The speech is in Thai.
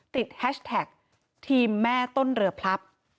แฮชแท็กทีมแม่ต้นเรือพลับ